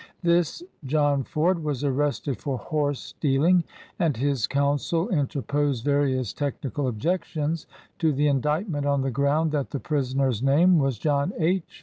This John Ford was arrested for horse steal ing, and his counsel interposed various technical 22 PRIMITIVE PRACTICE IN INDIANA objections to the indictment on the ground that the prisoner's name was John H.